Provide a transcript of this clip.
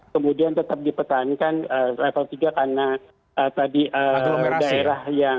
kemudian tetap dipertahankan level tiga karena tadi daerah yang